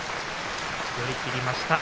寄り切りました。